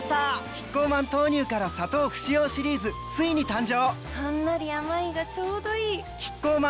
キッコーマン豆乳から砂糖不使用シリーズついに誕生！